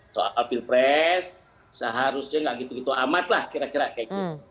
soal pilpres seharusnya nggak gitu gitu amat lah kira kira kayak gitu